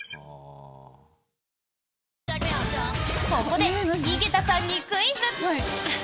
ここで井桁さんにクイズ！